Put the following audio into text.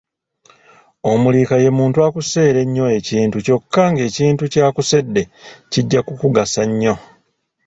Omuliika y'omuntu akuseera ennyo ekintu kyokka ng’ekintu ky’akusedde kijja kukugasa nnyo.